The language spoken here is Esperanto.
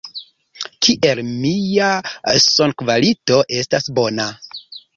Kiel mia sonkvalito estas bona?